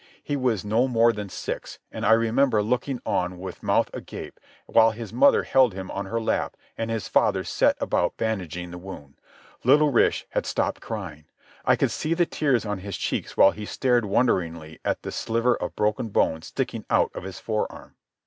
He was no more than six, and I remember looking on with mouth agape while his mother held him on her lap and his father set about bandaging the wound. Little Rish had stopped crying. I could see the tears on his cheeks while he stared wonderingly at a sliver of broken bone sticking out of his forearm.